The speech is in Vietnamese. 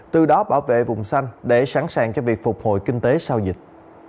từ đó bảo vệ vùng xanh để sẵn sàng cho việc phục hồi kinh tế sau dịch